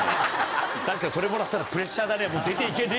確かにそれもらったらプレッシャーだね。